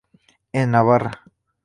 En Navarra.